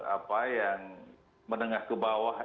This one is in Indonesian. apa yang menengah ke bawah